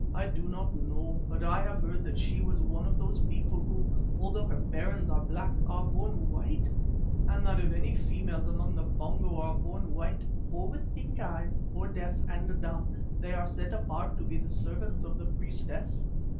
"I do not know, but I heave heard that she was one of those people who, although their parents are black, are born white, and that if any females among the Pongo are born white, or with pink eyes, or deaf and dumb, they are set apart to be the servants of the priestess.